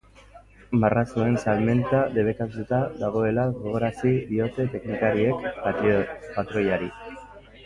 Marrazoen salmenta debekatuta dagoela gogorarazi diote teknikariek patroiari.